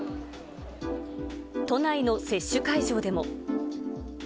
都内の接種会場でも。